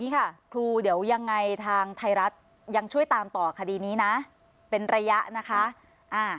ค่ะครูเดี๋ยวยังไงทางไทยรัฐยังช่วยตามต่อคดีนี้นะเป็นระยะนะคะ